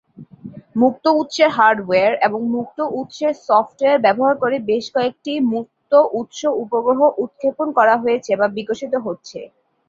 মুক্ত উৎসের হার্ডওয়্যার এবং মুক্ত উৎসের সফ্টওয়্যার ব্যবহার করে বেশ কয়েকটি মুক্ত উৎস উপগ্রহ উৎক্ষেপণ করা হয়েছে বা বিকশিত হচ্ছে।